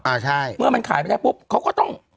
อ่าใช่เมื่อมันขายไม่ได้ปุ๊บเขาก็ต้อง